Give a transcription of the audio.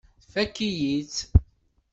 Tfakk-iyi-tt.